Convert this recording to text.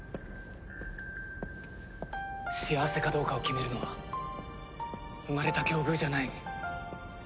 幸せかどうかを決めるのは生まれた境遇じゃない。